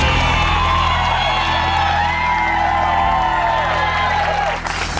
ถูกถูกถูก